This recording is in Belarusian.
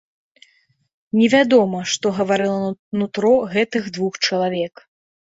Невядома, што гаварыла нутро гэтых двух чалавек.